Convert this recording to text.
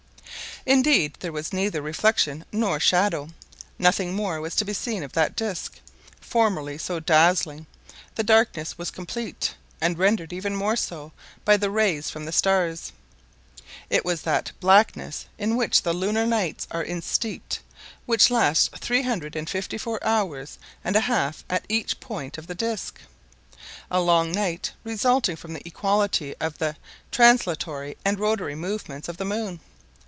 Indeed, there was neither reflection nor shadow. Nothing more was to be seen of that disc, formerly so dazzling. The darkness was complete. and rendered even more so by the rays from the stars. It was "that blackness" in which the lunar nights are insteeped, which last three hundred and fifty four hours and a half at each point of the disc, a long night resulting from the equality of the translatory and rotary movements of the moon.